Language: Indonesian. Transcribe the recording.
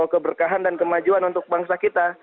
dan ini membawa keberkahan dan kemajuan untuk bangsa kita